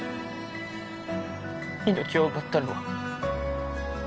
命を奪ったのは